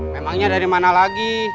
memangnya dari mana lagi